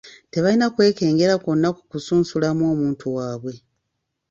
Tebalina kwekengera kwonna ku kusunsulamu omuntu waabwe.